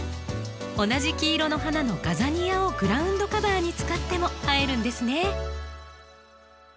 同じ黄色の花のガザニアをグラウンドカバーに使っても映えるんですね。